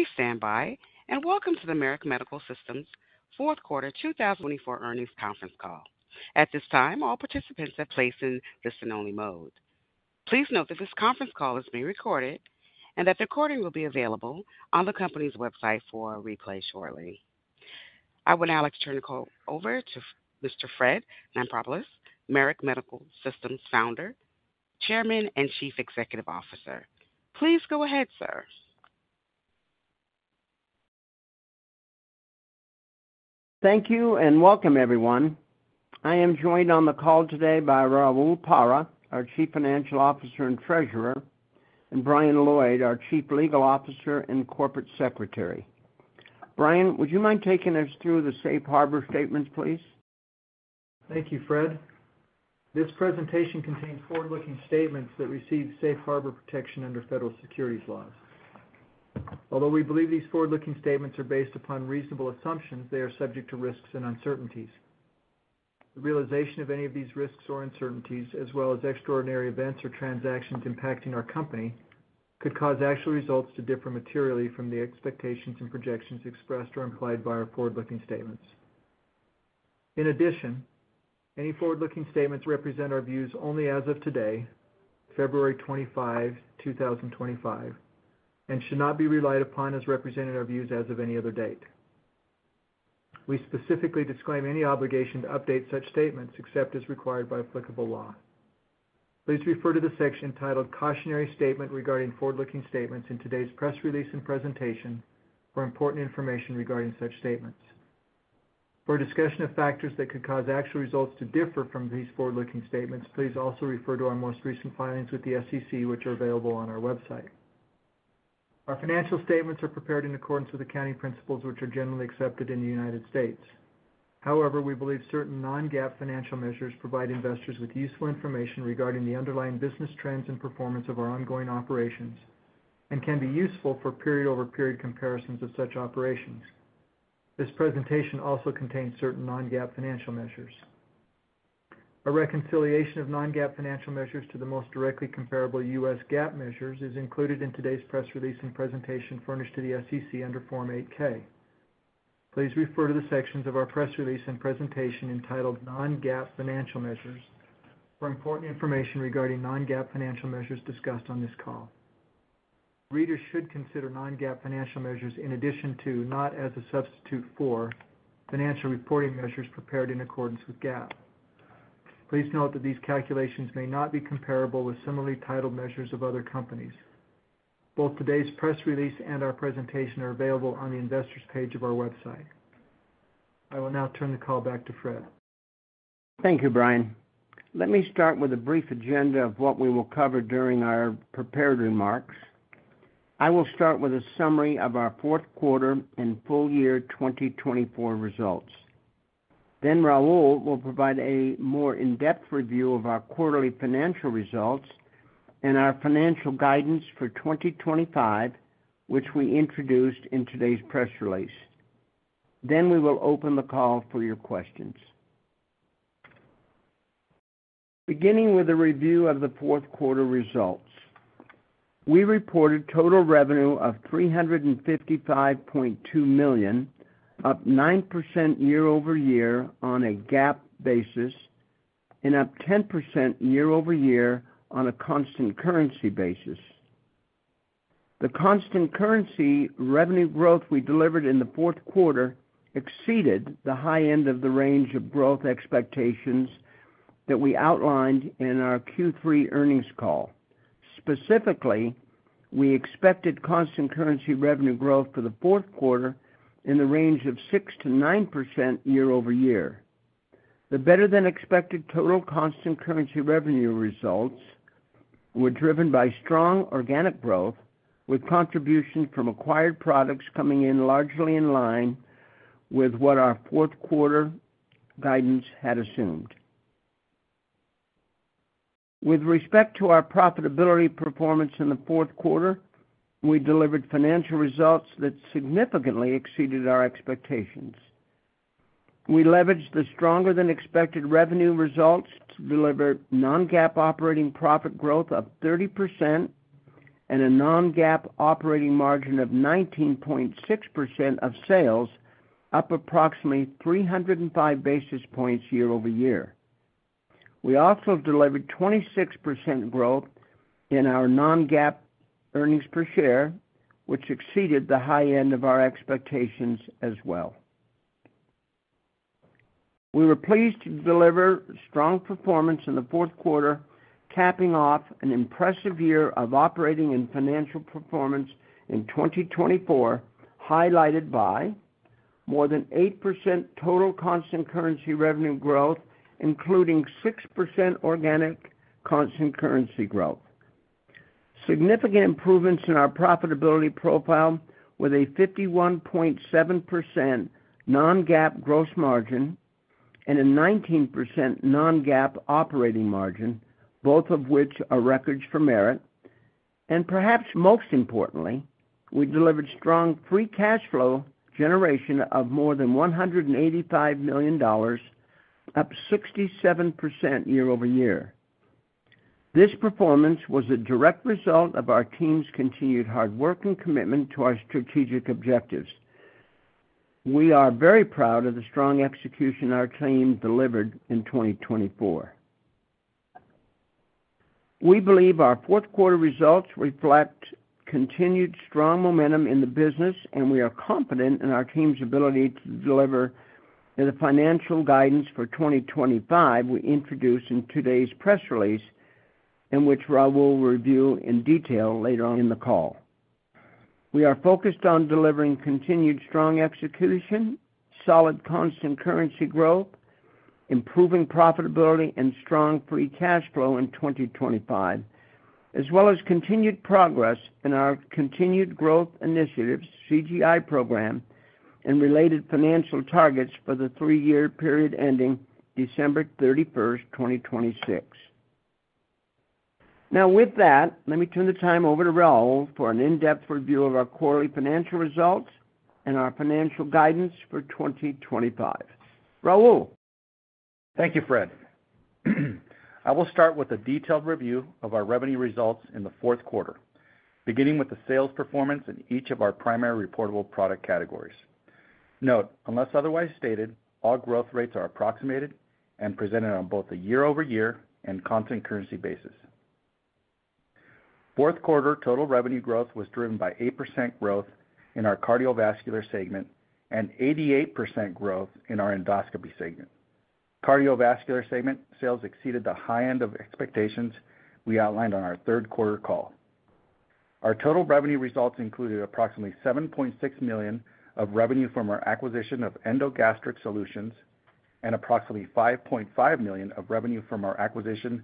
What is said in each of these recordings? Please stand by and welcome to the Merit Medical Systems Fourth Quarter 2024 Earnings Conference Call. At this time, all participants are placed in listen-only mode. Please note that this conference call is being recorded and that the recording will be available on the company's website for replay shortly. I would now like to turn the call over to Mr. Fred Lampropoulos, Merit Medical Systems Founder, Chairman and Chief Executive Officer. Please go ahead, sir. Thank you and welcome, everyone. I am joined on the call today by Raul Parra, our Chief Financial Officer and Treasurer, and Brian Lloyd, our Chief Legal Officer and Corporate Secretary. Brian, would you mind taking us through the Safe Harbor Statements, please? Thank you, Fred. This presentation contains forward-looking statements that receive Safe Harbor protection under federal securities laws. Although we believe these forward-looking statements are based upon reasonable assumptions, they are subject to risks and uncertainties. The realization of any of these risks or uncertainties, as well as extraordinary events or transactions impacting our company, could cause actual results to differ materially from the expectations and projections expressed or implied by our forward-looking statements. In addition, any forward-looking statements represent our views only as of today, February 25, 2025, and should not be relied upon as representing our views as of any other date. We specifically disclaim any obligation to update such statements except as required by applicable law. Please refer to the section titled "Cautionary Statement Regarding Forward-Looking Statements" in today's press release and presentation for important information regarding such statements. For discussion of factors that could cause actual results to differ from these forward-looking statements, please also refer to our most recent filings with the SEC, which are available on our website. Our financial statements are prepared in accordance with accounting principles, which are generally accepted in the United States. However, we believe certain Non-GAAP financial measures provide investors with useful information regarding the underlying business trends and performance of our ongoing operations and can be useful for period-over-period comparisons of such operations. This presentation also contains certain Non-GAAP financial measures. A reconciliation of Non-GAAP financial measures to the most directly comparable U.S. GAAP measures is included in today's press release and presentation furnished to the SEC under Form 8-K. Please refer to the sections of our press release and presentation entitled "Non-GAAP Financial Measures" for important information regarding Non-GAAP financial measures discussed on this call. Readers should consider non-GAAP financial measures in addition to, not as a substitute for financial reporting measures prepared in accordance with GAAP. Please note that these calculations may not be comparable with similarly titled measures of other companies. Both today's press release and our presentation are available on the investors' page of our website. I will now turn the call back to Fred. Thank you, Brian. Let me start with a brief agenda of what we will cover during our prepared remarks. I will start with a summary of our fourth quarter and full year 2024 results. Then Raul will provide a more in-depth review of our quarterly financial results and our financial guidance for 2025, which we introduced in today's press release. Then we will open the call for your questions. Beginning with a review of the fourth quarter results, we reported total revenue of $355.2 million, up 9% year-over-year on a GAAP basis and up 10% year-over-year on a constant currency basis. The constant currency revenue growth we delivered in the fourth quarter exceeded the high end of the range of growth expectations that we outlined in our Q3 earnings call. Specifically, we expected constant currency revenue growth for the fourth quarter in the range of 6% to 9% year-over-year. The better-than-expected total constant currency revenue results were driven by strong organic growth with contributions from acquired products coming in largely in line with what our fourth quarter guidance had assumed. With respect to our profitability performance in the fourth quarter, we delivered financial results that significantly exceeded our expectations. We leveraged the stronger-than-expected revenue results to deliver non-GAAP operating profit growth of 30% and a non-GAAP operating margin of 19.6% of sales, up approximately 305 basis points year-over-year. We also delivered 26% growth in our non-GAAP earnings per share, which exceeded the high end of our expectations as well. We were pleased to deliver strong performance in the fourth quarter, capping off an impressive year of operating and financial performance in 2024, highlighted by more than 8% total constant currency revenue growth, including 6% organic constant currency growth. Significant improvements in our profitability profile with a 51.7% non-GAAP gross margin and a 19% non-GAAP operating margin, both of which are records for Merit, and perhaps most importantly, we delivered strong free cash flow generation of more than $185 million, up 67% year-over-year. This performance was a direct result of our team's continued hard work and commitment to our strategic objectives. We are very proud of the strong execution our team delivered in 2024. We believe our fourth quarter results reflect continued strong momentum in the business, and we are confident in our team's ability to deliver the financial guidance for 2025 we introduced in today's press release, in which Raul will review in detail later on in the call. We are focused on delivering continued strong execution, solid constant currency growth, improving profitability, and strong free cash flow in 2025, as well as continued progress in our continued growth initiatives, CGI program, and related financial targets for the three-year period ending December 31, 2026. Now, with that, let me turn the time over to Raul for an in-depth review of our quarterly financial results and our financial guidance for 2025. Raul. Thank you, Fred. I will start with a detailed review of our revenue results in the fourth quarter, beginning with the sales performance in each of our primary reportable product categories. Note, unless otherwise stated, all growth rates are approximated and presented on both a year-over-year and constant currency basis. Fourth quarter total revenue growth was driven by 8% growth in our cardiovascular segment and 88% growth in our endoscopy segment. Cardiovascular segment sales exceeded the high end of expectations we outlined on our third quarter call. Our total revenue results included approximately $7.6 million of revenue from our acquisition of EndoGastric Solutions and approximately $5.5 million of revenue from our acquisition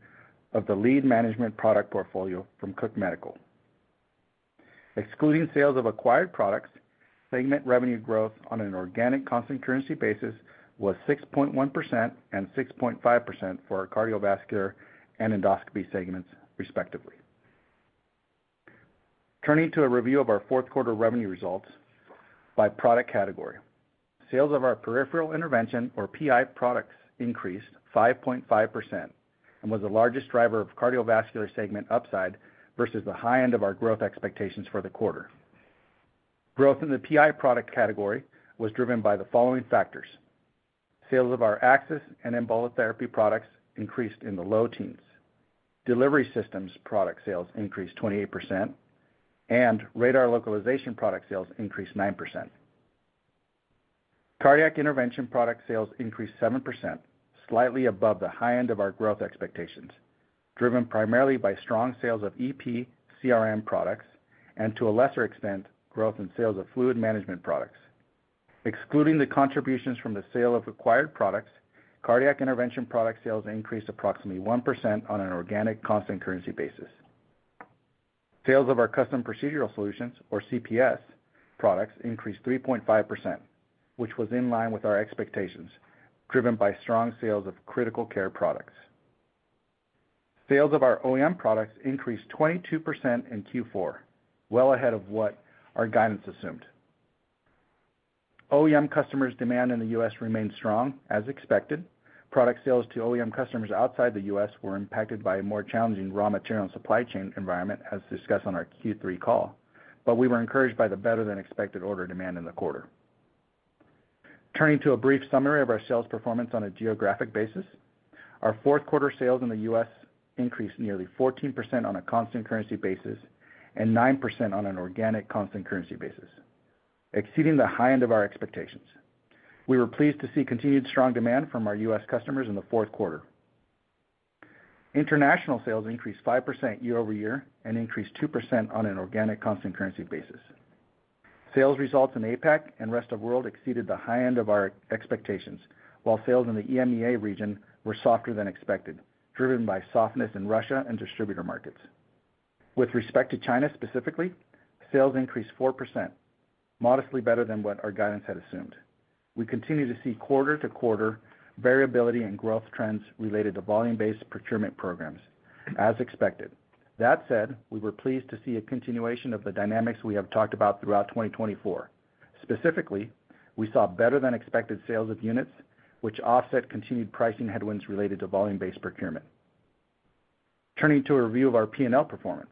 of the lead management product portfolio from Cook Medical. Excluding sales of acquired products, segment revenue growth on an organic constant currency basis was 6.1% and 6.5% for our cardiovascular and endoscopy segments, respectively. Turning to a review of our fourth quarter revenue results by product category, sales of our peripheral intervention, or PI products, increased 5.5% and was the largest driver of cardiovascular segment upside versus the high end of our growth expectations for the quarter. Growth in the PI product category was driven by the following factors: sales of our Access and Embolotherapy products increased in the low teens. Delivery systems product sales increased 28%. And radar localization product sales increased 9%. Cardiac intervention product sales increased 7%, slightly above the high end of our growth expectations, driven primarily by strong sales of EP CRM products and, to a lesser extent, growth in sales of fluid management products. Excluding the contributions from the sale of acquired products, cardiac intervention product sales increased approximately 1% on an organic constant currency basis. Sales of our Custom Procedural Solutions, or CPS products, increased 3.5%, which was in line with our expectations, driven by strong sales of Critical Care products. Sales of our OEM products increased 22% in Q4, well ahead of what our guidance assumed. OEM customers' demand in the U.S. remained strong, as expected. Product sales to OEM customers outside the U.S. were impacted by a more challenging raw material supply chain environment, as discussed on our Q3 call, but we were encouraged by the better-than-expected order demand in the quarter. Turning to a brief summary of our sales performance on a geographic basis, our fourth quarter sales in the U.S. increased nearly 14% on a constant currency basis and 9% on an organic constant currency basis, exceeding the high end of our expectations. We were pleased to see continued strong demand from our U.S. customers in the fourth quarter. International sales increased 5% year-over-year and increased 2% on an organic constant currency basis. Sales results in APAC and rest of the world exceeded the high end of our expectations, while sales in the EMEA region were softer than expected, driven by softness in Russia and distributor markets. With respect to China specifically, sales increased 4%, modestly better than what our guidance had assumed. We continue to see quarter-to-quarter variability and growth trends related to volume-based procurement programs, as expected. That said, we were pleased to see a continuation of the dynamics we have talked about throughout 2024. Specifically, we saw better-than-expected sales of units, which offset continued pricing headwinds related to volume-based procurement. Turning to a review of our P&L performance,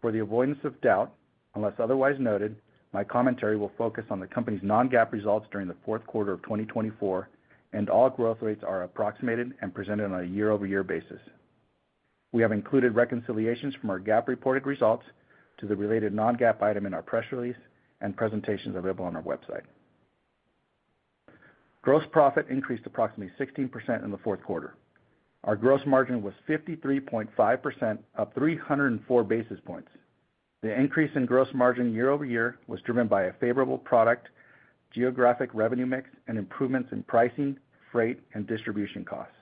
for the avoidance of doubt, unless otherwise noted, my commentary will focus on the company's non-GAAP results during the fourth quarter of 2024, and all growth rates are approximated and presented on a year-over-year basis. We have included reconciliations from our GAAP reported results to the related non-GAAP item in our press release and presentations available on our website. Gross profit increased approximately 16% in the fourth quarter. Our gross margin was 53.5%, up 304 basis points. The increase in gross margin year-over-year was driven by a favorable product geographic revenue mix and improvements in pricing, freight, and distribution costs.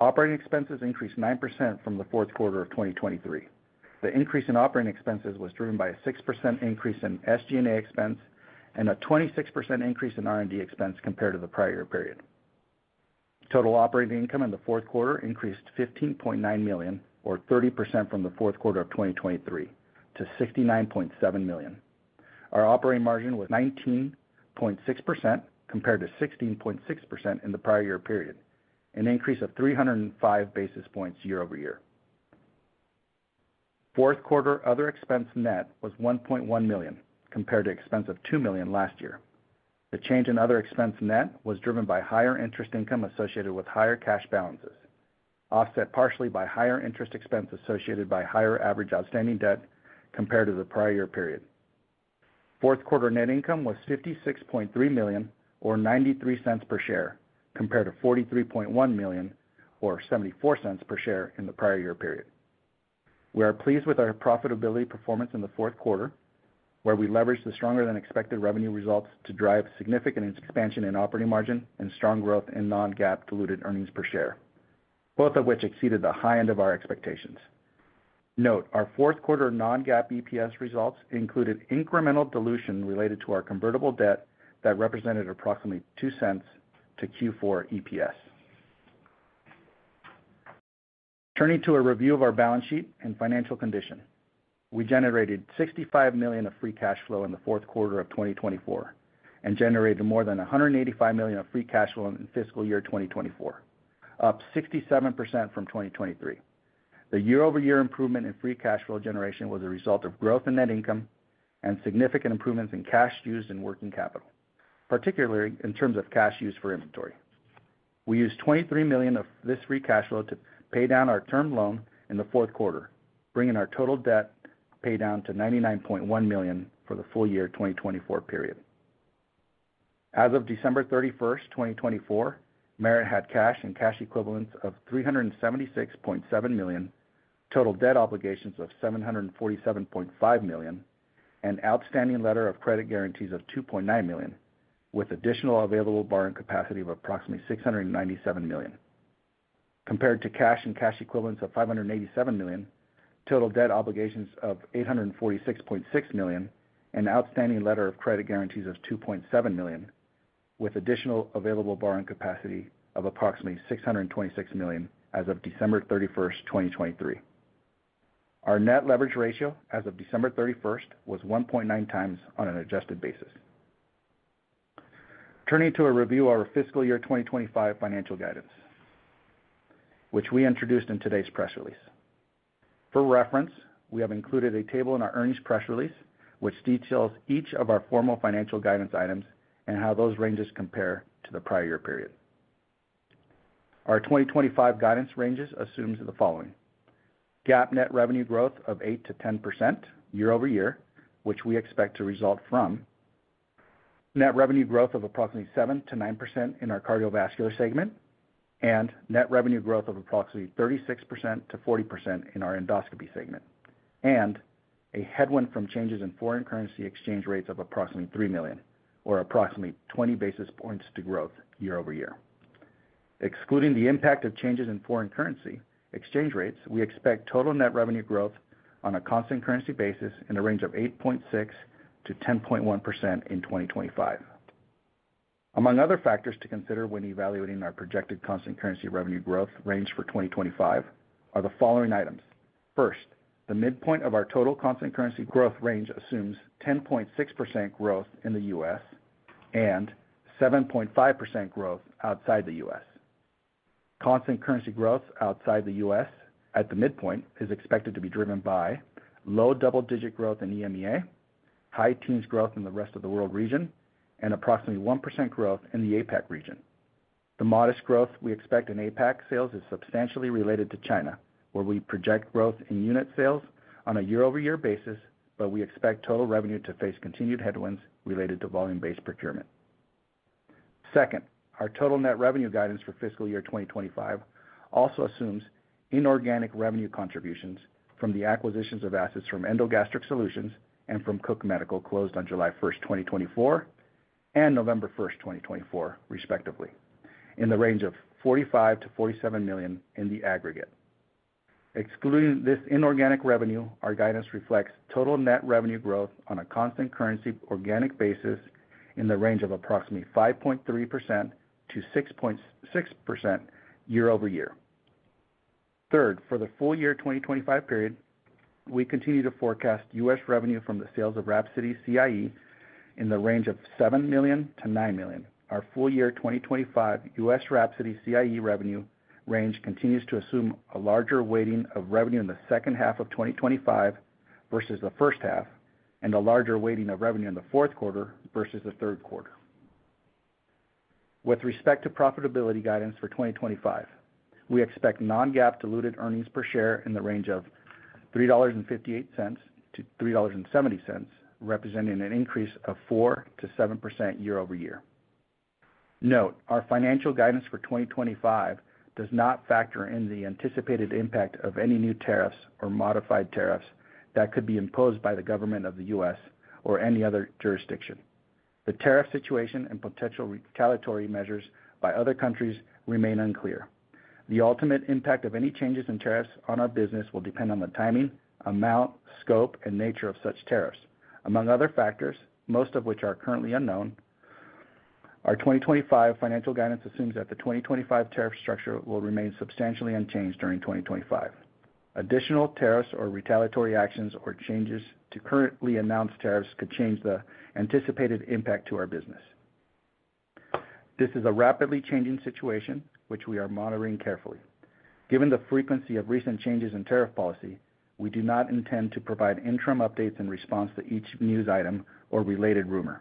Operating expenses increased 9% from the fourth quarter of 2023. The increase in operating expenses was driven by a 6% increase in SG&A expense and a 26% increase in R&D expense compared to the prior period. Total operating income in the fourth quarter increased $15.9 million, or 30% from the fourth quarter of 2023, to $69.7 million. Our operating margin was 19.6% compared to 16.6% in the prior year period, an increase of 305 basis points year-over-year. Fourth quarter other expense net was $1.1 million compared to expense of $2 million last year. The change in other expense net was driven by higher interest income associated with higher cash balances, offset partially by higher interest expense associated with higher average outstanding debt compared to the prior year period. Fourth quarter net income was $56.3 million, or $0.93 per share, compared to $43.1 million, or $0.74 per share in the prior year period. We are pleased with our profitability performance in the fourth quarter, where we leveraged the stronger-than-expected revenue results to drive significant expansion in operating margin and strong growth in Non-GAAP diluted earnings per share, both of which exceeded the high end of our expectations. Note, our fourth quarter Non-GAAP EPS results included incremental dilution related to our Convertible Debt that represented approximately $0.02 to Q4 EPS. Turning to a review of our balance sheet and financial condition, we generated $65 million of Free Cash Flow in the fourth quarter of 2024 and generated more than $185 million of Free Cash Flow in fiscal year 2024, up 67% from 2023. The year-over-year improvement in Free Cash Flow generation was a result of growth in net income and significant improvements in cash used and working capital, particularly in terms of cash used for inventory. We used $23 million of this free cash flow to pay down our term loan in the fourth quarter, bringing our total debt pay down to $99.1 million for the full year 2024 period. As of December 31, 2024, Merit had cash and cash equivalents of $376.7 million, total debt obligations of $747.5 million, and outstanding letter of credit guarantees of $2.9 million, with additional available borrowing capacity of approximately $697 million. Compared to cash and cash equivalents of $587 million, total debt obligations of $846.6 million, and outstanding letter of credit guarantees of $2.7 million, with additional available borrowing capacity of approximately $626 million as of December 31, 2023. Our net leverage ratio as of December 31 was 1.9 times on an adjusted basis. Turning to a review of our fiscal year 2025 financial guidance, which we introduced in today's press release. For reference, we have included a table in our earnings press release, which details each of our formal financial guidance items and how those ranges compare to the prior year period. Our 2025 guidance ranges assume the following: GAAP net revenue growth of 8%-10% year-over-year, which we expect to result from net revenue growth of approximately 7%-9% in our cardiovascular segment, and net revenue growth of approximately 36%-40% in our endoscopy segment, and a headwind from changes in foreign currency exchange rates of approximately $3 million, or approximately 20 basis points to growth year-over-year. Excluding the impact of changes in foreign currency exchange rates, we expect total net revenue growth on a constant currency basis in a range of 8.6%-10.1% in 2025. Among other factors to consider when evaluating our projected constant currency revenue growth range for 2025 are the following items. First, the midpoint of our total constant currency growth range assumes 10.6% growth in the U.S. and 7.5% growth outside the U.S. Constant currency growth outside the U.S. at the midpoint is expected to be driven by low double-digit growth in EMEA, high teens growth in the rest of the world region, and approximately 1% growth in the APAC region. The modest growth we expect in APAC sales is substantially related to China, where we project growth in unit sales on a year-over-year basis, but we expect total revenue to face continued headwinds related to volume-based procurement. Second, our total net revenue guidance for fiscal year 2025 also assumes inorganic revenue contributions from the acquisitions of assets from Endogastric Solutions and from Cook Medical closed on July 1, 2024, and November 1, 2024. Respectively, in the range of $45 million-$47 million in the aggregate. Excluding this inorganic revenue, our guidance reflects total net revenue growth on a constant currency organic basis in the range of approximately 5.3%-6.6% year-over-year. Third, for the full year 2025 period, we continue to forecast U.S. revenue from the sales of Rhapsody CIE in the range of $7 million-$9 million. Our full year 2025 U.S. Rhapsody CIE revenue range continues to assume a larger weighting of revenue in the second half of 2025 versus the first half, and a larger weighting of revenue in the fourth quarter versus the third quarter. With respect to profitability guidance for 2025, we expect non-GAAP diluted earnings per share in the range of $3.58-$3.70, representing an increase of 4%-7% year-over-year. Note, our financial guidance for 2025 does not factor in the anticipated impact of any new tariffs or modified tariffs that could be imposed by the government of the U.S. or any other jurisdiction. The tariff situation and potential retaliatory measures by other countries remain unclear. The ultimate impact of any changes in tariffs on our business will depend on the timing, amount, scope, and nature of such tariffs. Among other factors, most of which are currently unknown, our 2025 financial guidance assumes that the 2025 tariff structure will remain substantially unchanged during 2025. Additional tariffs or retaliatory actions or changes to currently announced tariffs could change the anticipated impact to our business. This is a rapidly changing situation, which we are monitoring carefully. Given the frequency of recent changes in tariff policy, we do not intend to provide interim updates in response to each news item or related rumor.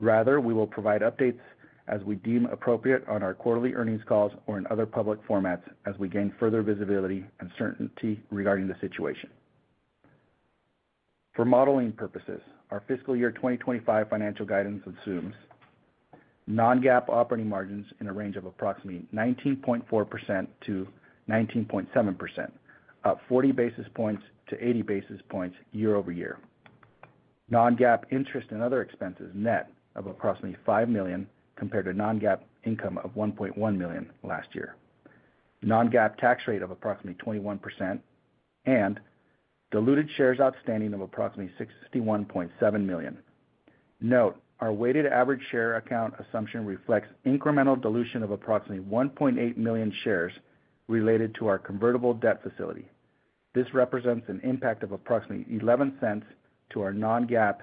Rather, we will provide updates as we deem appropriate on our quarterly earnings calls or in other public formats as we gain further visibility and certainty regarding the situation. For modeling purposes, our fiscal year 2025 financial guidance assumes non-GAAP operating margins in a range of approximately 19.4%-19.7%, up 40-80 basis points year-over-year. Non-GAAP interest and other expenses net of approximately $5 million compared to non-GAAP income of $1.1 million last year. Non-GAAP tax rate of approximately 21% and diluted shares outstanding of approximately 61.7 million. Note, our weighted average share count assumption reflects incremental dilution of approximately 1.8 million shares related to our convertible debt facility. This represents an impact of approximately $0.11 to our non-GAAP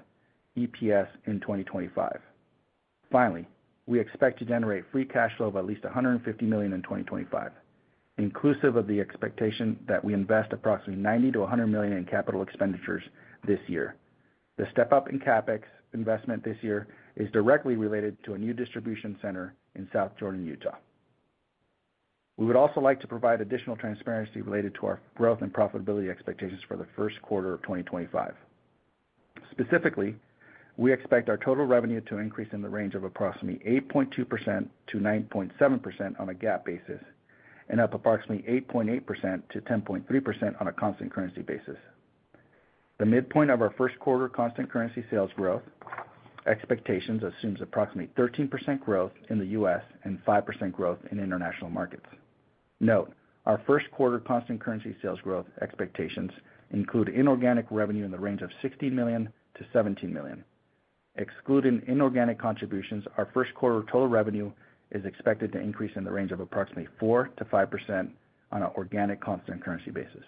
EPS in 2025. Finally, we expect to generate free cash flow of at least $150 million in 2025, inclusive of the expectation that we invest approximately $90 million-$100 million in capital expenditures this year. The step-up in CapEx investment this year is directly related to a new distribution center in South Jordan, Utah. We would also like to provide additional transparency related to our growth and profitability expectations for the first quarter of 2025. Specifically, we expect our total revenue to increase in the range of approximately 8.2%-9.7% on a GAAP basis and up approximately 8.8%-10.3% on a constant currency basis. The midpoint of our first quarter constant currency sales growth expectations assumes approximately 13% growth in the U.S. and 5% growth in international markets. Note, our first quarter constant currency sales growth expectations include inorganic revenue in the range of $16 million-$17 million. Excluding inorganic contributions, our first quarter total revenue is expected to increase in the range of approximately 4%-5% on an organic constant currency basis.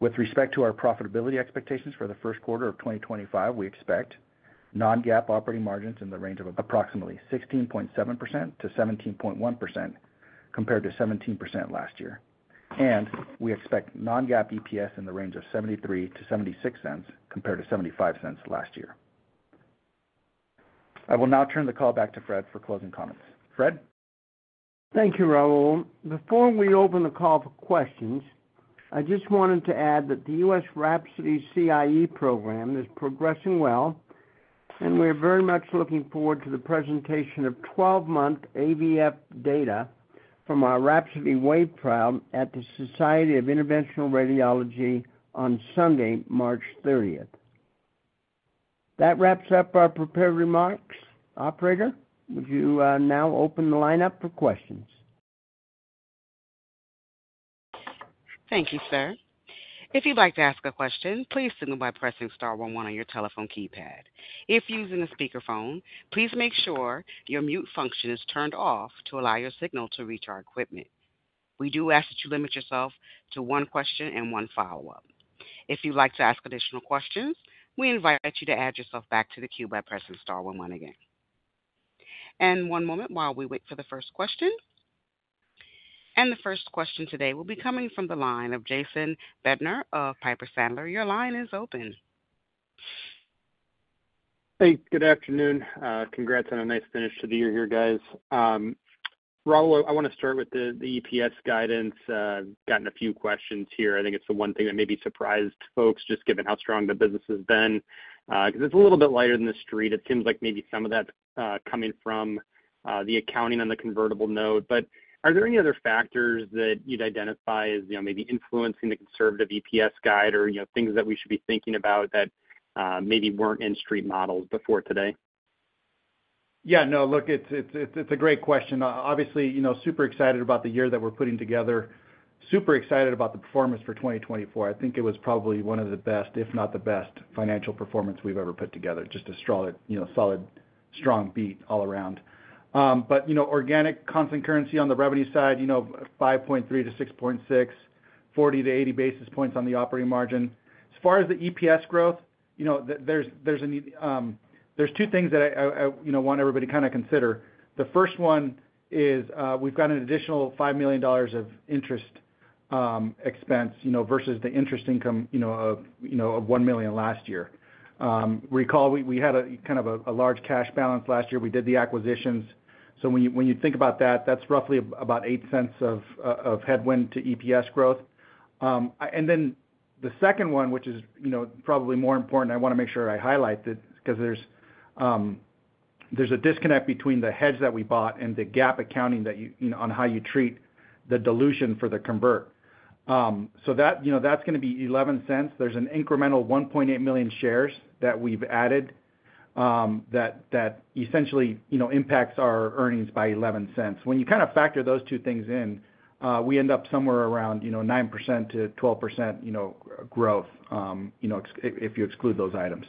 With respect to our profitability expectations for the first quarter of 2025, we expect non-GAAP operating margins in the range of approximately 16.7%-17.1% compared to 17% last year. And we expect non-GAAP EPS in the range of $0.73-$0.76 compared to $0.75 last year. I will now turn the call back to Fred for closing comments. Fred. Thank you, Raul. Before we open the call for questions, I just wanted to add that the U.S. Rhapsody CIE program is progressing well, and we're very much looking forward to the presentation of 12-month AVF data from our Rhapsody WAVE trial at the Society of Interventional Radiology on Sunday, March 30. That wraps up our prepared remarks. Operator, would you now open the lineup for questions? Thank you, sir. If you'd like to ask a question, please signal by pressing star 11 on your telephone keypad. If using a speakerphone, please make sure your mute function is turned off to allow your signal to reach our equipment. We do ask that you limit yourself to one question and one follow-up. If you'd like to ask additional questions, we invite you to add yourself back to the queue by pressing star 11 again. And one moment while we wait for the first question. And the first question today will be coming from the line of Jason Bednar of Piper Sandler. Your line is open. Hey, good afternoon. Congrats on a nice finish to the year here, guys. Raul, I want to start with the EPS guidance. Gotten a few questions here. I think it's the one thing that maybe surprised folks, just given how strong the business has been. Because it's a little bit lighter than the street. It seems like maybe some of that's coming from the accounting on the convertible note. But are there any other factors that you'd identify as maybe influencing the conservative EPS guide or things that we should be thinking about that maybe weren't in street models before today? Yeah, no, look, it's a great question. Obviously, super excited about the year that we're putting together. Super excited about the performance for 2024. I think it was probably one of the best, if not the best, financial performance we've ever put together. Just a solid, strong beat all around. But organic constant currency on the revenue side, 5.3%-6.6%, 40-80 basis points on the operating margin. As far as the EPS growth, there are two things that I want everybody to kind of consider. The first one is we've got an additional $5 million of interest expense versus the interest income of $1 million last year. Recall, we had kind of a large cash balance last year. We did the acquisitions. So when you think about that, that's roughly about $0.08 of headwind to EPS growth. And then the second one, which is probably more important, I want to make sure I highlight that because there's a disconnect between the hedge that we bought and the GAAP accounting on how you treat the dilution for the convert. So that's going to be $0.11. There is an incremental 1.8 million shares that we've added that essentially impacts our earnings by $0.11. When you kind of factor those two things in, we end up somewhere around 9%-12% growth if you exclude those items.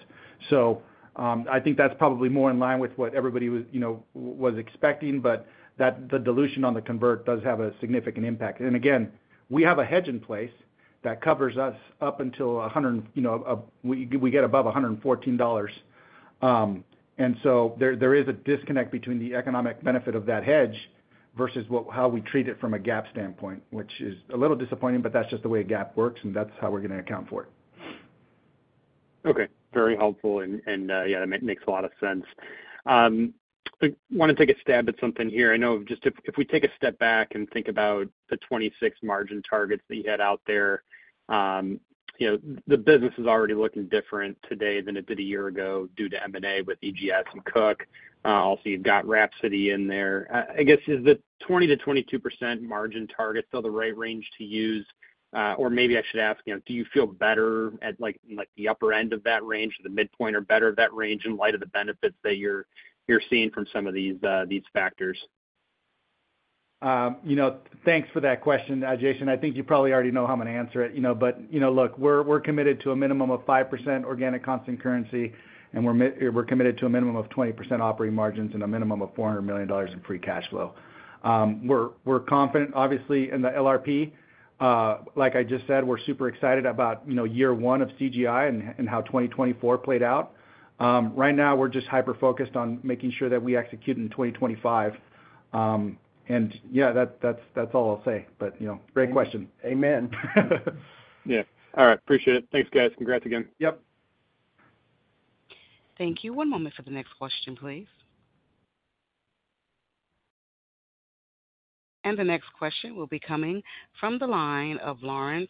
So I think that's probably more in line with what everybody was expecting, but the dilution on the convert does have a significant impact. And again, we have a hedge in place that covers us up until we get above $114. And so there is a disconnect between the economic benefit of that hedge versus how we treat it from a GAAP standpoint, which is a little disappointing, but that's just the way GAAP works, and that's how we're going to account for it. Okay. Very helpful. And yeah, that makes a lot of sense. I want to take a stab at something here.I know, just if we take a step back and think about the 2026 margin targets that you had out there, the business is already looking different today than it did a year ago due to M&A with EGS and Cook. Also, you've got Rhapsody in there. I guess, is the 20%-22% margin target still the right range to use? Or maybe I should ask, do you feel better at the upper end of that range, the midpoint, or better of that range in light of the benefits that you're seeing from some of these factors? Thanks for that question, Jason. I think you probably already know how I'm going to answer it. But look, we're committed to a minimum of 5% organic constant currency, and we're committed to a minimum of 20% operating margins and a minimum of $400 million in free cash flow. We're confident, obviously, in the LRP. Like I just said, we're super excited about year one of CGI and how 2024 played out. Right now, we're just hyper-focused on making sure that we execute in 2025. And yeah, that's all I'll say. But great question. Amen. Yeah. All right. Appreciate it. Thanks, guys. Congrats again. Yep. Thank you. One moment for the next question, please. And the next question will be coming from the line of Larry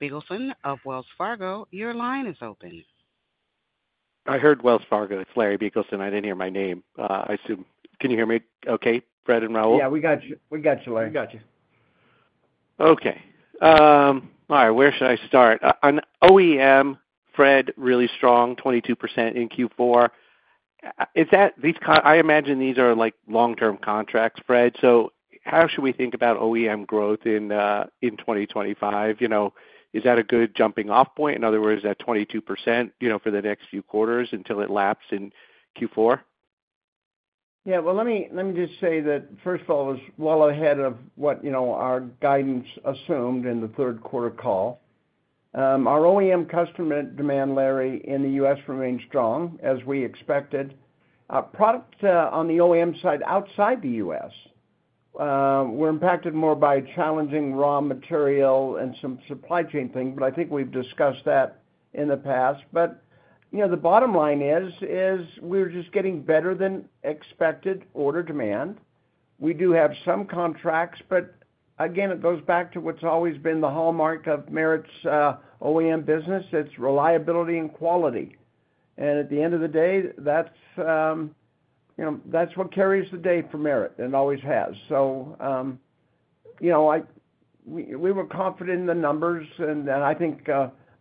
Biegelsen of Wells Fargo. Your line is open. I heard Wells Fargo. It's Larry Biegelsen. I didn't hear my name. Can you hear me okay, Fred and Raul? Yeah, we got you, Larry. We got you. Okay. All right. Where should I start? On OEM, Fred, really strong, 22% in Q4. I imagine these are long-term contracts, Fred. So how should we think about OEM growth in 2025? Is that a good jumping-off point? In other words, is that 22% for the next few quarters until it laps in Q4? Yeah. Well, let me just say that, first of all, it was well ahead of what our guidance assumed in the third quarter call. Our OEM customer demand, Larry, in the U.S. remains strong, as we expected. Product on the OEM side outside the U.S., we're impacted more by challenging raw material and some supply chain things, but I think we've discussed that in the past. But the bottom line is we're just getting better than expected order demand. We do have some contracts, but again, it goes back to what's always been the hallmark of Merit's OEM business. It's reliability and quality. And at the end of the day, that's what carries the day for Merit and always has. So we were confident in the numbers, and I think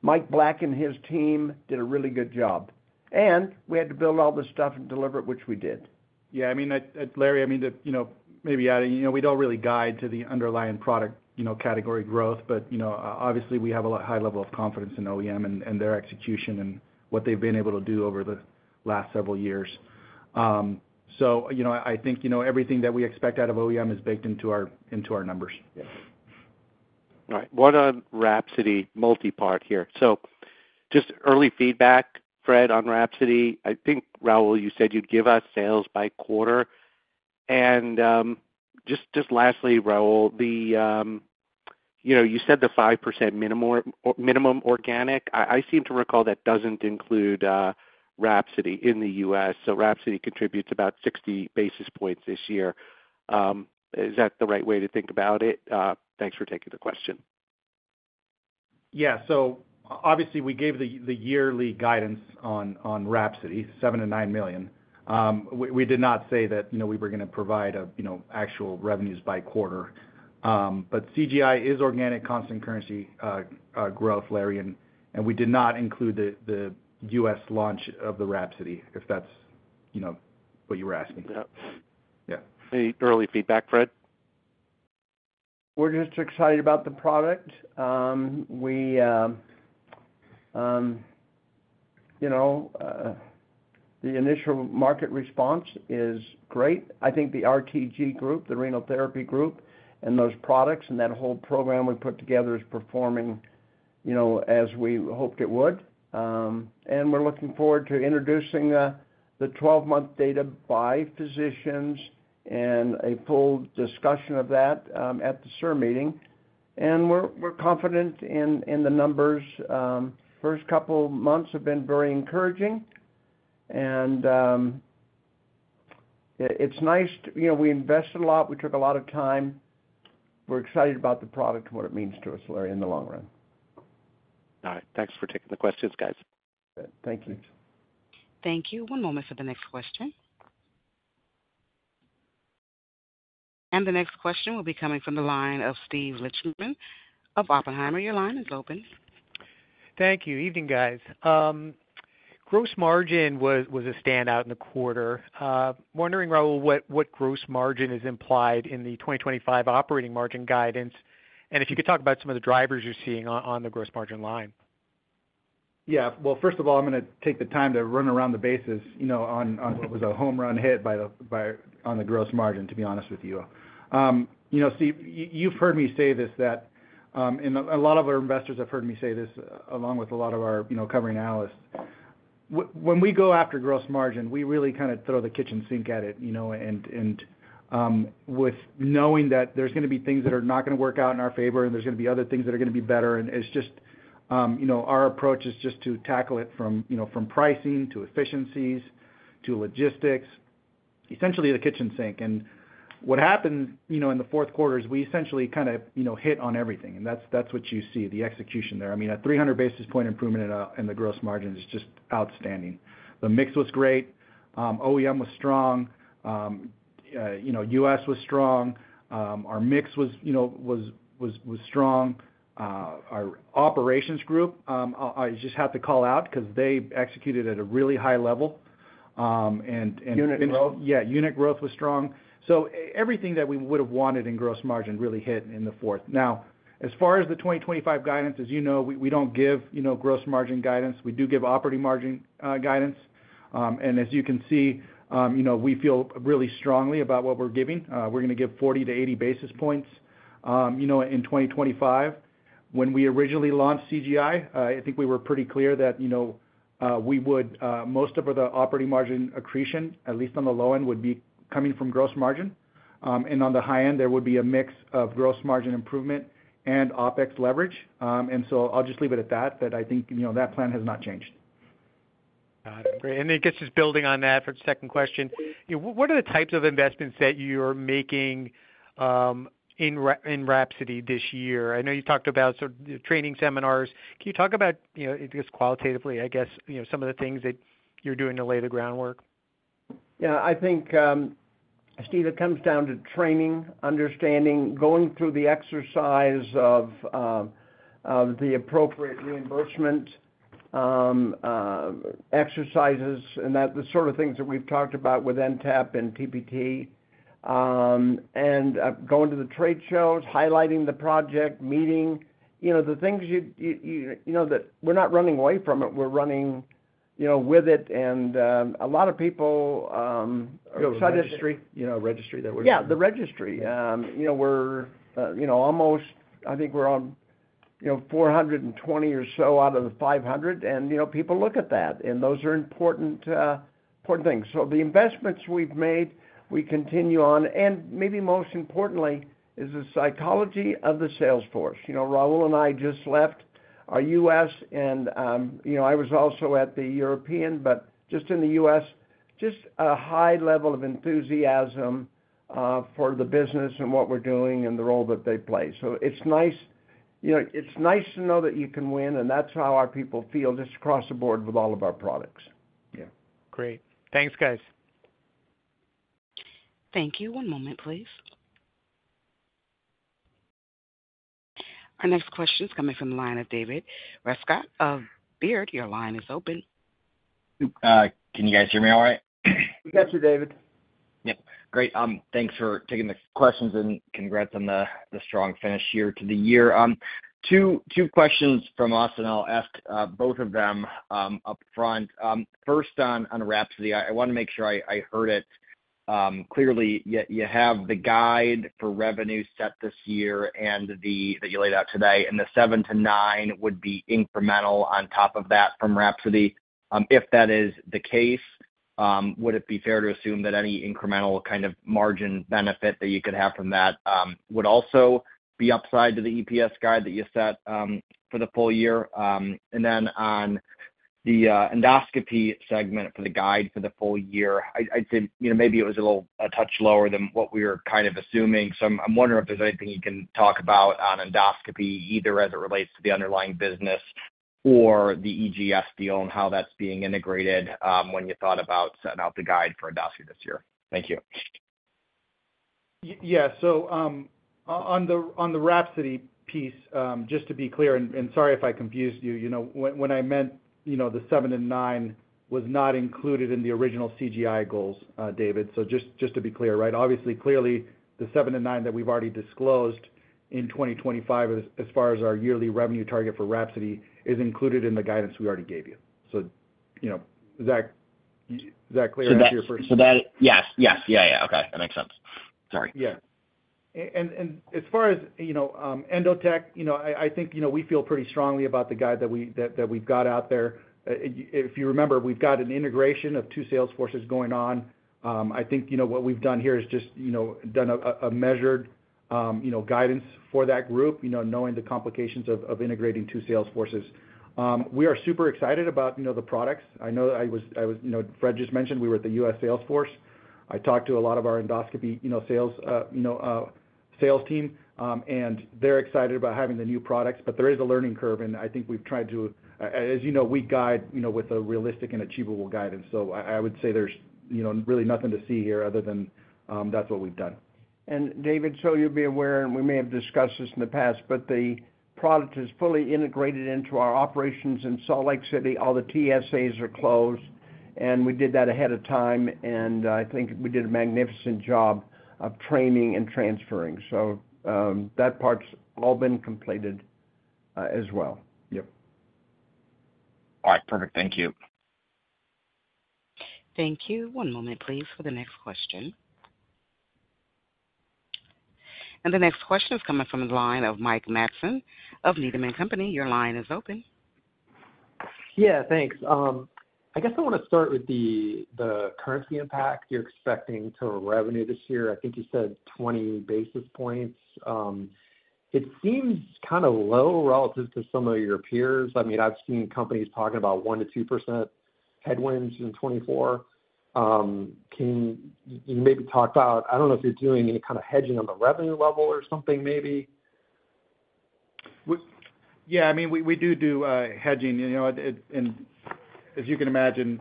Mike Black and his team did a really good job. And we had to build all this stuff and deliver it, which we did. Yeah. I mean, Larry, I mean, maybe adding, we don't really guide to the underlying product category growth, but obviously, we have a high level of confidence in OEM and their execution and what they've been able to do over the last several years. So I think everything that we expect out of OEM is baked into our numbers. All right. What on Rhapsody multi-part here? So just early feedback, Fred, on Rhapsody. I think, Raul, you said you'd give us sales by quarter. And just lastly, Raul, you said the 5% minimum organic. I seem to recall that doesn't include Rhapsody in the U.S. So Rhapsody contributes about 60 basis points this year. Is that the right way to think about it? Thanks for taking the question. Yeah. So obviously, we gave the yearly guidance on Rhapsody, $7 million-$9 million. We did not say that we were going to provide actual revenues by quarter. But CGI is organic constant currency growth, Larry, and we did not include the U.S. launch of the Rhapsody, if that's what you were asking. Yeah. Any early feedback, Fred? We're just excited about the product. The initial market response is great. I think the RTG group, the renal therapy group, and those products and that whole program we put together is performing as we hoped it would. And we're looking forward to introducing the 12-month data by physicians and a full discussion of that at the SIR meeting. And we're confident in the numbers. First couple of months have been very encouraging, and it's nice. We invested a lot. We took a lot of time. We're excited about the product and what it means to us, Larry, in the long run. All right. Thanks for taking the questions, guys. Thank you. Thank you. One moment for the next question, and the next question will be coming from the line of Steve Lichtman of Oppenheimer. Your line is open. Thank you. Evening, guys. Gross margin was a standout in the quarter. Wondering, Raul, what gross margin is implied in the 2025 operating margin guidance? And if you could talk about some of the drivers you're seeing on the gross margin line. Yeah. Well, first of all, I'm going to take the time to run around the bases on what was a home run hit on the gross margin, to be honest with you. You've heard me say this, that a lot of our investors have heard me say this along with a lot of our covering analysts. When we go after gross margin, we really kind of throw the kitchen sink at it. And with knowing that there's going to be things that are not going to work out in our favor and there's going to be other things that are going to be better, and it's just our approach is just to tackle it from pricing to efficiencies to logistics, essentially the kitchen sink. And what happened in the fourth quarter is we essentially kind of hit on everything. And that's what you see, the execution there. I mean, a 300 basis point improvement in the gross margin is just outstanding. The mix was great. OEM was strong. U.S. was strong. Our mix was strong. Our operations group, I just have to call out because they executed at a really high level. And unit growth? Yeah, unit growth was strong. So everything that we would have wanted in gross margin really hit in the fourth. Now, as far as the 2025 guidance, as you know, we don't give gross margin guidance. We do give operating margin guidance. And as you can see, we feel really strongly about what we're giving. We're going to give 40 to 80 basis points in 2025. When we originally launched CGI, I think we were pretty clear that we would most of the operating margin accretion, at least on the low end, would be coming from gross margin. And on the high end, there would be a mix of gross margin improvement and OpEx leverage. And so I'll just leave it at that, that I think that plan has not changed. Got it. And I guess just building on that for the second question, what are the types of investments that you're making in Rhapsody this year? I know you talked about sort of training seminars. Can you talk about, I guess, qualitatively, I guess, some of the things that you're doing to lay the groundwork? Yeah. I think, Steve, it comes down to training, understanding, going through the exercise of the appropriate reimbursement exercises, and the sort of things that we've talked about with NTAP and TPT. And going to the trade shows, highlighting the project, meeting the things that we're not running away from it. We're running with it. And a lot of people are excited. Registry. Registry that we're doing. Yeah, the registry. We're almost. I think we're on 420 or so out of the 500, and people look at that, and those are important things. So the investments we've made, we continue on, and maybe most importantly is the psychology of the salesforce. Raul and I just left our U.S., and I was also at the European, but just in the U.S., just a high level of enthusiasm for the business and what we're doing and the role that they play. So it's nice to know that you can win, and that's how our people feel just across the board with all of our products. Yeah. Great. Thanks, guys. Thank you. One moment, please. Our next question is coming from the line of David Rescott. Baird, your line is open. Can you guys hear me all right? We got you, David. Yeah. Great. Thanks for taking the questions and congrats on the strong finish here to the year. Two questions from us, and I'll ask both of them upfront. First, on Rhapsody, I want to make sure I heard it clearly. You have the guide for revenue set this year that you laid out today. And the 7 to 9 would be incremental on top of that from Rhapsody. If that is the case, would it be fair to assume that any incremental kind of margin benefit that you could have from that would also be upside to the EPS guide that you set for the full year? And then on the endoscopy segment for the guide for the full year, I'd say maybe it was a little touch lower than what we were kind of assuming. So I'm wondering if there's anything you can talk about on endoscopy, either as it relates to the underlying business or the EGS deal and how that's being integrated when you thought about setting out the guidance for endoscopy this year. Thank you. Yeah. So on the Rhapsody piece, just to be clear, and sorry if I confused you, when I meant the 7-9 was not included in the original CGI goals, David. So just to be clear, right? Obviously, clearly, the 7-9 that we've already disclosed in 2025, as far as our yearly revenue target for Rhapsody, is included in the guidance we already gave you. So is that clear? That's your first. So that? Yes. Yes. Yeah, yeah. Okay. That makes sense. Sorry. Yeah. As far as Endotek, I think we feel pretty strongly about the guide that we've got out there. If you remember, we've got an integration of two sales forces going on. I think what we've done here is just done a measured guidance for that group, knowing the complications of integrating two sales forces. We are super excited about the products. I know I was, Fred just mentioned we were at the U.S. sales force. I talked to a lot of our endoscopy sales team, and they're excited about having the new products. There is a learning curve. I think we've tried to, as you know, we guide with a realistic and achievable guidance. I would say there's really nothing to see here other than that's what we've done. And David, so you'll be aware, and we may have discussed this in the past, but the product is fully integrated into our operations in Salt Lake City. All the TSAs are closed. And we did that ahead of time. And I think we did a magnificent job of training and transferring. So that part's all been completed as well. Yep. All right. Perfect. Thank you. Thank you. One moment, please, for the next question. And the next question is coming from the line of Mike Matson of Needham & Company. Your line is open. Yeah. Thanks. I guess I want to start with the currency impact you're expecting to revenue this year. I think you said 20 basis points. It seems kind of low relative to some of your peers. I mean, I've seen companies talking about 1% to 2% headwinds in 2024. Can you maybe talk about, I don't know if you're doing any kind of hedging on the revenue level or something, maybe? Yeah. I mean, we do do hedging. And as you can imagine,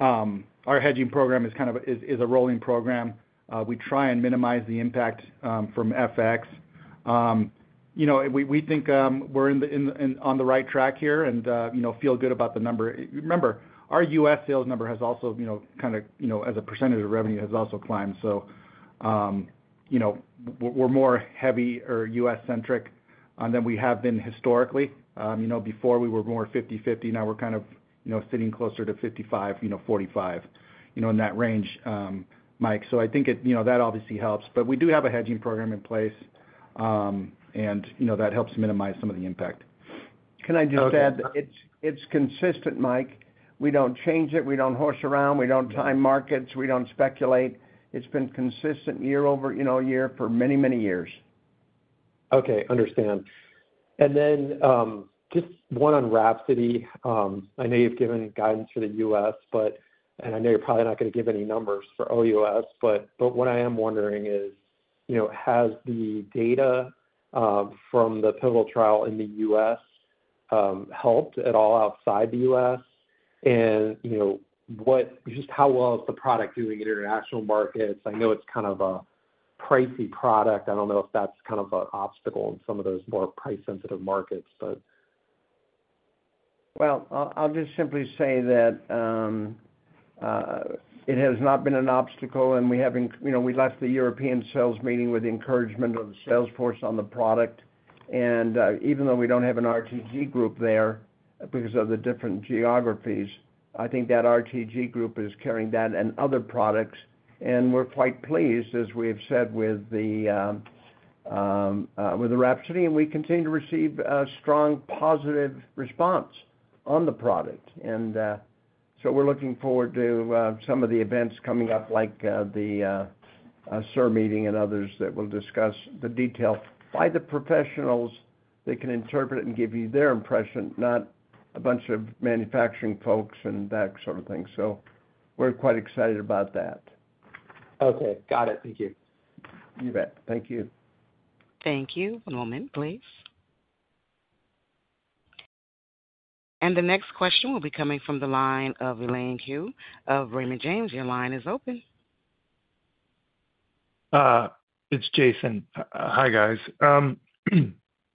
our hedging program is kind of a rolling program. We try and minimize the impact from FX. We think we're on the right track here and feel good about the number. Remember, our U.S. sales number has also kind of, as a percentage of revenue, has also climbed. So we're more heavy or U.S.-centric than we have been historically. Before, we were more 50/50. Now we're kind of sitting closer to 55/45 in that range, Mike. So I think that obviously helps. But we do have a hedging program in place, and that helps minimize some of the impact. Can I just add? It's consistent, Mike. We don't change it. We don't horse around. We don't time markets. We don't speculate. It's been consistent year over year for many, many years. Okay. Understood. And then just one on Rhapsody. I know you've given guidance for the U.S., and I know you're probably not going to give any numbers for OUS, but what I am wondering is, has the data from the pivotal trial in the U.S. helped at all outside the U.S.? And just how well is the product doing in international markets? I know it's kind of a pricey product. I don't know if that's kind of an obstacle in some of those more price-sensitive markets, but. Well, I'll just simply say that it has not been an obstacle. And we left the European sales meeting with the encouragement of the sales force on the product. Even though we don't have an RTG group there because of the different geographies, I think that RTG group is carrying that and other products. We're quite pleased, as we have said, with the Rhapsody. We continue to receive a strong positive response on the product. We're looking forward to some of the events coming up, like the SIR meeting and others, that we'll discuss the detail by the professionals. They can interpret it and give you their impression, not a bunch of manufacturing folks and that sort of thing. We're quite excited about that. Okay. Got it. Thank you. You bet. Thank you. Thank you. One moment, please. The next question will be coming from the line of Elaine Q. of Raymond James. Your line is open. It's Jason. Hi, guys. A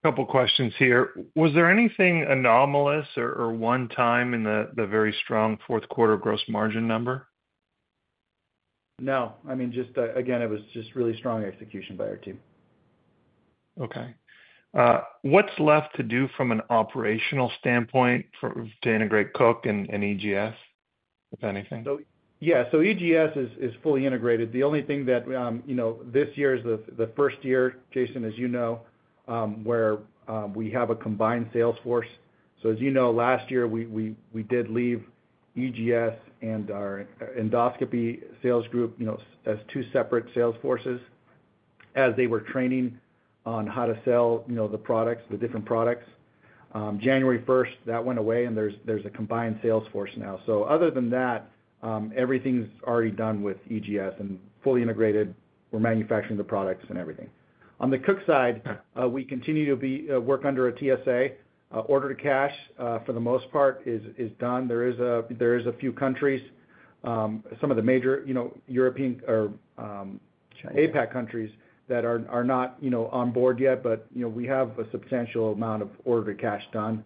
couple of questions here. Was there anything anomalous or one-time in the very strong fourth quarter gross margin number? No. I mean, again, it was just really strong execution by our team. Okay. What's left to do from an operational standpoint to integrate Cook and EGS, if anything? Yeah. So EGS is fully integrated. The only thing that this year is the first year, Jason, as you know, where we have a combined sales force. So as you know, last year, we did leave EGS and our endoscopy sales group as two separate sales forces as they were training on how to sell the different products. January 1st, that went away, and there's a combined sales force now. So other than that, everything's already done with EGS and fully integrated. We're manufacturing the products and everything. On the Cook side, we continue to work under a TSA. Order-to-cash, for the most part, is done. There are a few countries, some of the major European or APAC countries, that are not on board yet, but we have a substantial amount of order-to-cash done.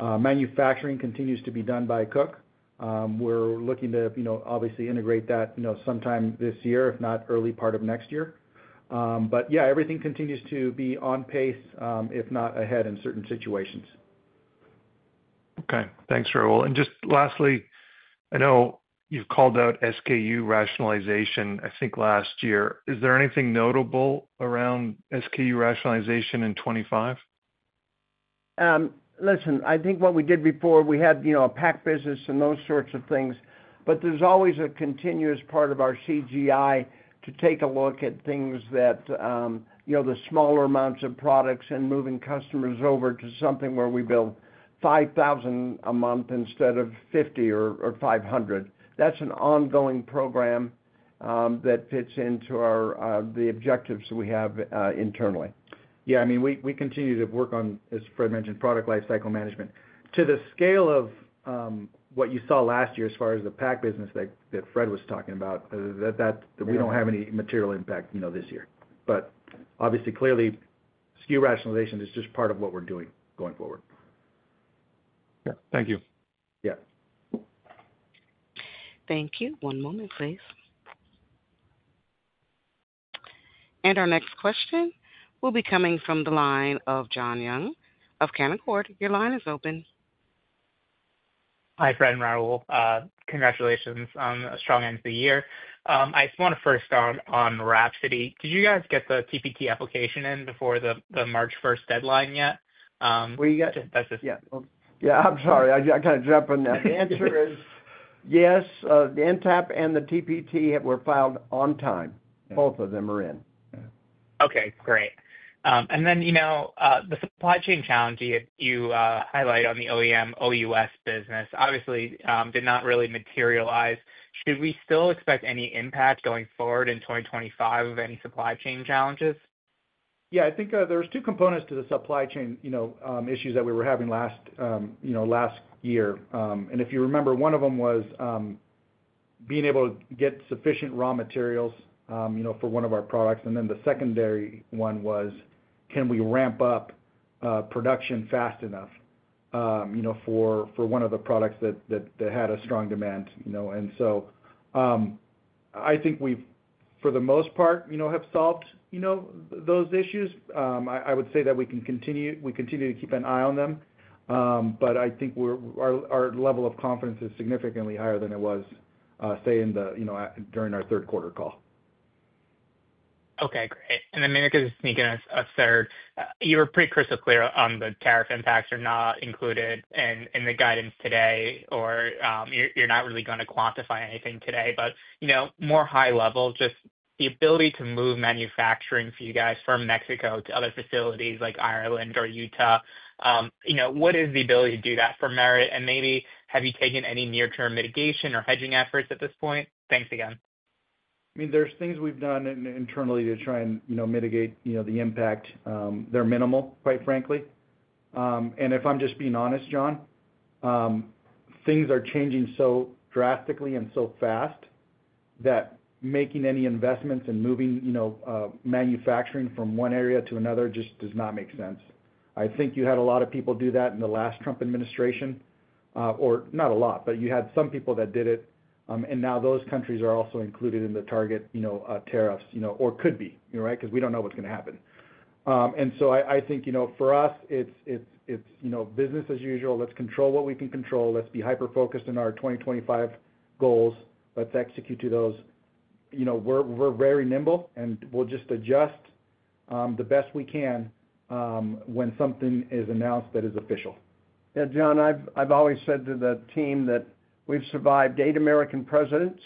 Manufacturing continues to be done by Cook. We're looking to obviously integrate that sometime this year, if not early part of next year. But yeah, everything continues to be on pace, if not ahead in certain situations. Okay. Thanks, Raul. And just lastly, I know you've called out SKU rationalization, I think, last year. Is there anything notable around SKU rationalization in 2025? Listen, I think what we did before, we had a pack business and those sorts of things. But there's always a continuous part of our CGI to take a look at things that the smaller amounts of products and moving customers over to something where we build 5,000 a month instead of 50 or 500. That's an ongoing program that fits into the objectives that we have internally. Yeah. I mean, we continue to work on, as Fred mentioned, product lifecycle management. To the scale of what you saw last year as far as the pack business that Fred was talking about, we don't have any material impact this year. But obviously, clearly, SKU rationalization is just part of what we're doing going forward. Yeah. Thank you. Yeah. Thank you. One moment, please. And our next question will be coming from the line of Jon Young of Canaccord. Your line is open. Hi, Fred and Raul. Congratulations on a strong end of the year. I just want to first start on Rhapsody. Did you guys get the TPT application in before the March 1st deadline yet? Were you guys? Yeah. Yeah. I'm sorry. I kind of jumped on that. The answer is yes. The NTAP and the TPT were filed on time. Both of them were in. Okay. Great. And then the supply chain challenge you highlight on the OEM/OUS business obviously did not really materialize. Should we still expect any impact going forward in 2025 of any supply chain challenges? Yeah. I think there were two components to the supply chain issues that we were having last year. And if you remember, one of them was being able to get sufficient raw materials for one of our products. And then the secondary one was, can we ramp up production fast enough for one of the products that had a strong demand? And so I think we, for the most part, have solved those issues. I would say that we continue to keep an eye on them. I think our level of confidence is significantly higher than it was, say, during our third quarter call. Okay. Great. And then maybe I could just sneak in a third. You were pretty crystal clear on the tariff impacts are not included in the guidance today, or you're not really going to quantify anything today. But more high level, just the ability to move manufacturing for you guys from Mexico to other facilities like Ireland or Utah, what is the ability to do that for Merit? And maybe, have you taken any near-term mitigation or hedging efforts at this point? Thanks again. I mean, there's things we've done internally to try and mitigate the impact. They're minimal, quite frankly. And if I'm just being honest, John, things are changing so drastically and so fast that making any investments and moving manufacturing from one area to another just does not make sense. I think you had a lot of people do that in the last Trump administration, or not a lot, but you had some people that did it. And now those countries are also included in the target tariffs or could be, right, because we don't know what's going to happen. And so I think for us, it's business as usual. Let's control what we can control. Let's be hyper-focused on our 2025 goals. Let's execute to those. We're very nimble, and we'll just adjust the best we can when something is announced that is official. Yeah. John, I've always said to the team that we've survived eight American presidents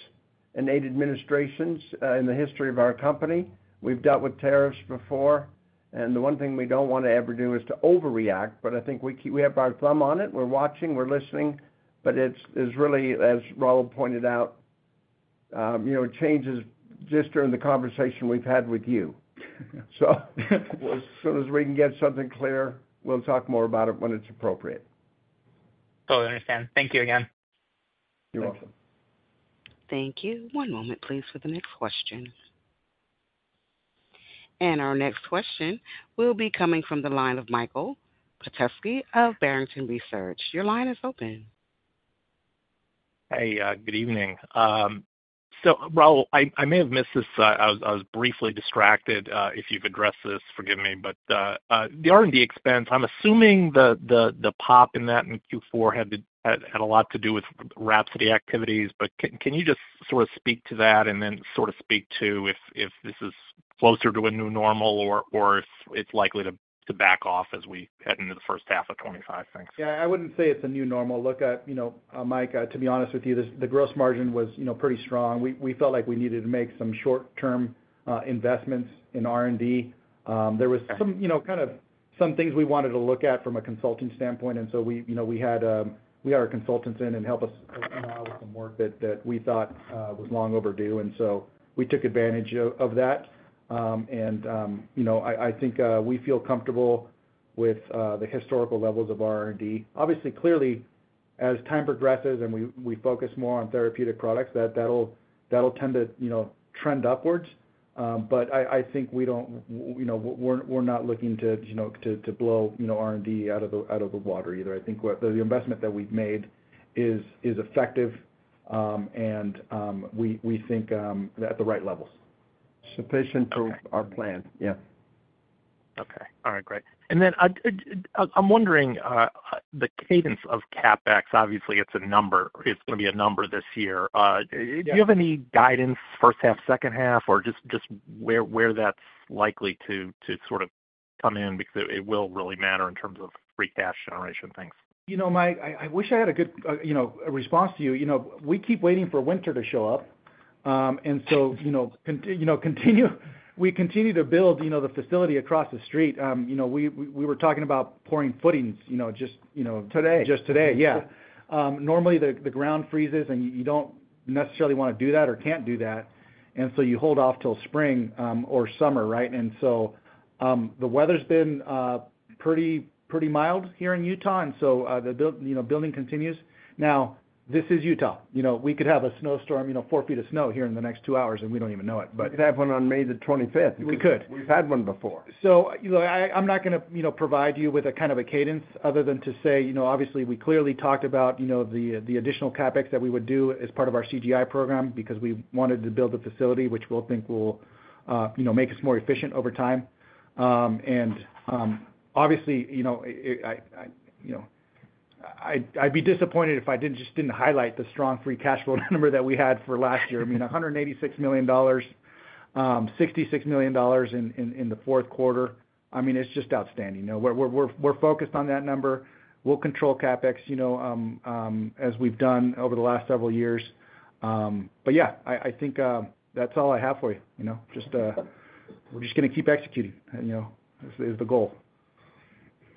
and eight administrations in the history of our company. We've dealt with tariffs before, and the one thing we don't want to ever do is to overreact. But I think we have our thumb on it. We're watching. We're listening. But it's really, as Raul pointed out, changes just during the conversation we've had with you. So as soon as we can get something clear, we'll talk more about it when it's appropriate. Totally understand. Thank you again. You're welcome. Thank you. One moment, please, for the next question, and our next question will be coming from the line of Michael Petusky of Barrington Research. Your line is open. Hey. Good evening. So Raul, I may have missed this. I was briefly distracted. If you've addressed this, forgive me. But the R&D expense, I'm assuming the pop in that in Q4 had a lot to do with Rhapsody activities. But can you just sort of speak to that and then sort of speak to if this is closer to a new normal or if it is likely to back off as we head into the first half of 2025? Thanks. Yeah. I wouldn't say it is a new normal. Look, Mike, to be honest with you, the gross margin was pretty strong. We felt like we needed to make some short-term investments in R&D. There was kind of some things we wanted to look at from a consulting standpoint. And so we had our consultants in and help us with some work that we thought was long overdue. And so we took advantage of that. And I think we feel comfortable with the historical levels of R&D. Obviously, clearly, as time progresses and we focus more on therapeutic products, that will tend to trend upwards. But I think we don't, we're not looking to blow R&D out of the water either. I think the investment that we've made is effective, and we think at the right levels. Sufficient for our plan. Yeah. Okay. All right. Great. And then I'm wondering, the cadence of CapEx, obviously, it's a number. It's going to be a number this year. Do you have any guidance, first half, second half, or just where that's likely to sort of come in because it will really matter in terms of free cash generation things? Mike, I wish I had a good response to you. We keep waiting for winter to show up. And so we continue to build the facility across the street. We were talking about pouring footings just today. Just today. Yeah. Normally, the ground freezes, and you don't necessarily want to do that or can't do that. And so you hold off till spring or summer, right? And so the weather's been pretty mild here in Utah. And so the building continues. Now, this is Utah. We could have a snowstorm, four feet of snow here in the next two hours, and we don't even know it. But we could have one on May the 25th. We could. We've had one before. So I'm not going to provide you with a kind of a cadence other than to say, obviously, we clearly talked about the additional CapEx that we would do as part of our CGI program because we wanted to build a facility which we'll think will make us more efficient over time. And obviously, I'd be disappointed if I just didn't highlight the strong free cash flow number that we had for last year. I mean, $186 million, $66 million in the fourth quarter. I mean, it's just outstanding. We're focused on that number. We'll control CapEx as we've done over the last several years. But yeah, I think that's all I have for you. We're just going to keep executing is the goal.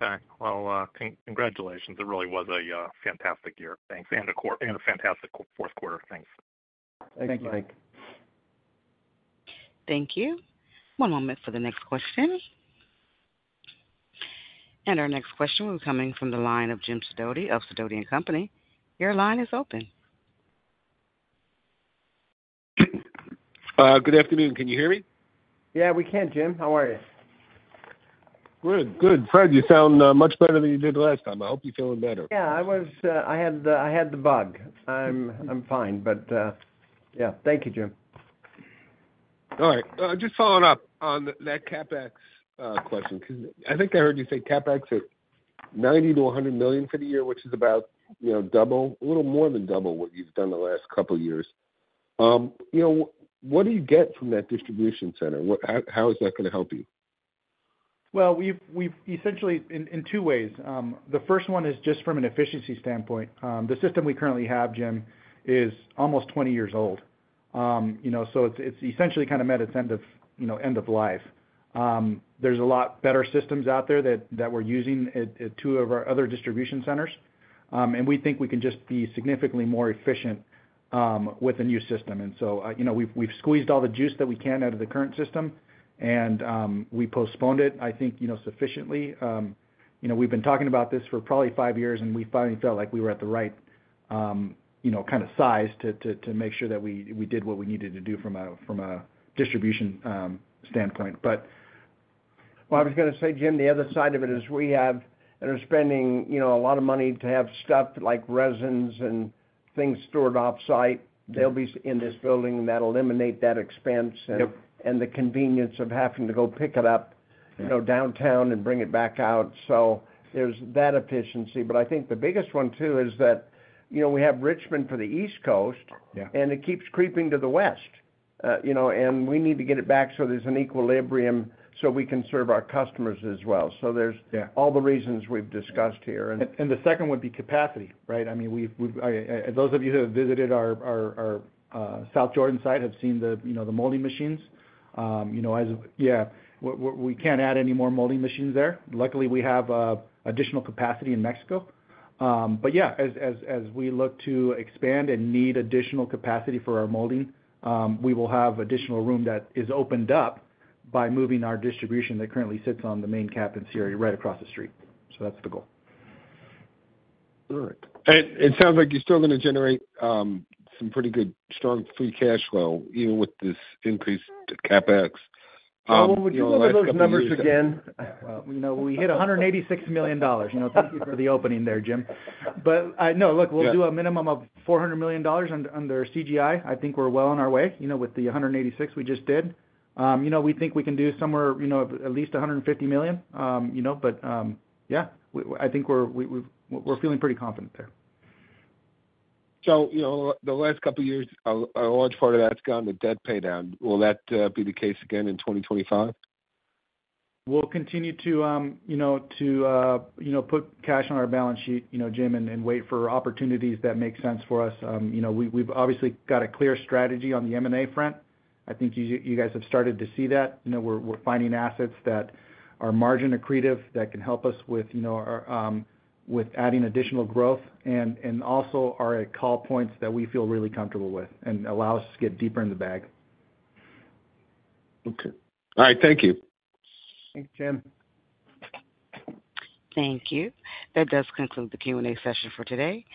Okay. Well, congratulations. It really was a fantastic year. Thanks. And a fantastic fourth quarter. Thanks. Thank you. Thank you. Thank you. One moment for the next question. And our next question will be coming from the line of Jim Sidoti, of Sidoti & Company. Your line is open. Good afternoon. Can you hear me? Yeah, we can, Jim. How are you? Good. Good. Fred, you sound much better than you did the last time. I hope you're feeling better. Yeah. I had the bug. I'm fine. But yeah, thank you, Jim. All right. Just following up on that CapEx question because I think I heard you say CapEx at $90-$100 million for the year, which is about double, a little more than double what you've done the last couple of years. What do you get from that distribution center? How is that going to help you? Well, essentially, in two ways. The first one is just from an efficiency standpoint. The system we currently have, Jim, is almost 20 years old. So it's essentially kind of met its end of life. There's a lot better systems out there that we're using at two of our other distribution centers. And we think we can just be significantly more efficient with a new system. And so we've squeezed all the juice that we can out of the current system, and we postponed it, I think, sufficiently. We've been talking about this for probably five years, and we finally felt like we were at the right kind of size to make sure that we did what we needed to do from a distribution standpoint. But what I was going to say, Jim, the other side of it is we have, and we're spending a lot of money to have stuff like resins and things stored off-site. They'll be in this building. That'll eliminate that expense and the convenience of having to go pick it up downtown and bring it back out. So there's that efficiency. But I think the biggest one, too, is that we have Richmond for the East Coast, and it keeps creeping to the West. And we need to get it back so there's an equilibrium so we can serve our customers as well. So there's all the reasons we've discussed here. The second would be capacity, right? I mean, those of you who have visited our South Jordan site have seen the molding machines. Yeah. We can't add any more molding machines there. Luckily, we have additional capacity in Mexico. Yeah, as we look to expand and need additional capacity for our molding, we will have additional room that is opened up by moving our distribution that currently sits on the main campus area right across the street. So that's the goal. All right. It sounds like you're still going to generate some pretty good strong Free Cash Flow even with this increased CapEx. Would you want to know those numbers again? Well, we hit $186 million. Thank you for the opening there, Jim. But no, look, we'll do a minimum of $400 million under CGI. I think we're well on our way with the $186 we just did. We think we can do somewhere at least $150 million. But yeah, I think we're feeling pretty confident there. So the last couple of years, a large part of that's gone to debt pay down. Will that be the case again in 2025? We'll continue to put cash on our balance sheet, Jim, and wait for opportunities that make sense for us. We've obviously got a clear strategy on the M&A front. I think you guys have started to see that. We're finding assets that are margin accretive that can help us with adding additional growth and also are at call points that we feel really comfortable with and allow us to get deeper in the bag. Okay. All right. Thank you. Thank you, Jim. Thank you. That does conclude the Q&A session for today.